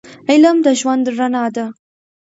علم د ژوند رڼا ده